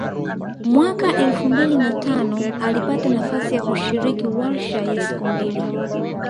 Mwaka elfu mbili na tano alipata nafasi ya kushiriki warsha ya siku mbili